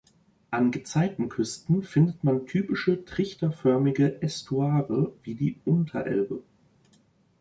An Gezeitenküsten findet man typische trichterförmige Ästuare wie die Unterelbe.